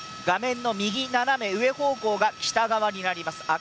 画面の右斜め上方向が北側になります。